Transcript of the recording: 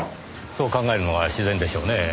そう考えるのが自然でしょうねぇ。